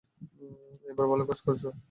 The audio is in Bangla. এইবার ভালো কাজ করছো।